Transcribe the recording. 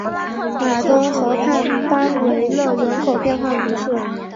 马东河畔班维勒人口变化图示